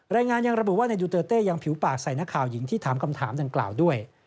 รายงานยังระบุว่านายดูเตอร์เต้ยังผิวปากใส่นักข่าวหญิงที่ถามคำถามดังกล่าวด้วย